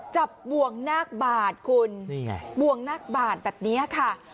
จับบวงนาคบาทคุณบวงนาคบาทแบบนี้ค่ะ